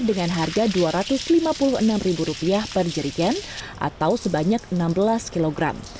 dengan harga rp dua ratus lima puluh enam per jerigen atau sebanyak enam belas kg